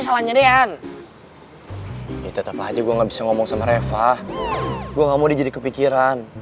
salahnya deyan tetap aja gua nggak bisa ngomong sama reva gua nggak mau dijadikan kepikiran